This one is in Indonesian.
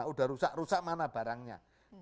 udah rusak rusak mana barangnya